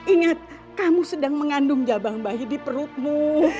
ingat kamu sedang mengandung jabang bahi di perutmu